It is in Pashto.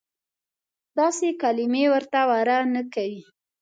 داسې کلیمې ورته واره نه کوي.